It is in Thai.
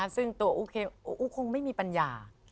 ซึ่งตัวอู๋คงไม่มีปัญญา